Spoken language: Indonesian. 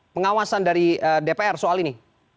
pengawasan dari dpr soal ini